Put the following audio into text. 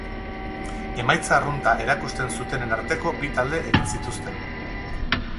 Emaitza arrunta erakusten zutenen arteko bi talde egin zituzten.